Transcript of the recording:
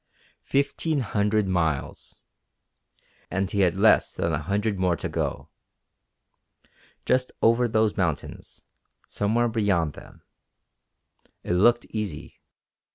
Fifteen hundred miles! And he had less than a hundred more to go! Just over those mountains somewhere beyond them. It looked easy.